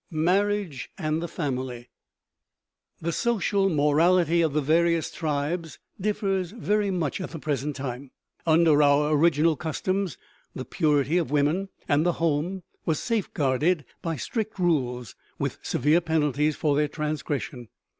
MARRIAGE AND THE FAMILY The social morality of the various tribes differs very much at the present time. Under our original customs, the purity of woman and the home was safeguarded by strict rules, with severe penalties for their transgression.